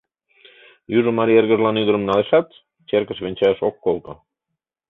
Южо марий эргыжлан ӱдырым налешат, черкыш венчаяш ок колто.